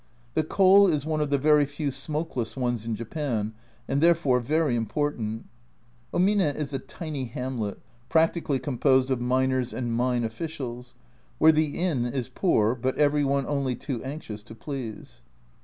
The coal is one of the very few smokeless ones in Japan, and there fore very important. Omine is a tiny hamlet, practically composed of miners and mine officials, where the inn is poor but every one only too anxious to please.